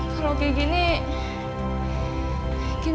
kalau kayak gini